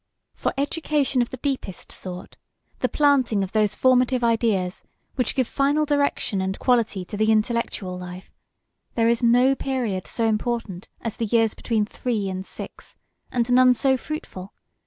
For education of the deepest sort the planting of those formative ideas which give final direction and quality to the intellectual life there is no period so important as the years between three and six, and none so fruitful.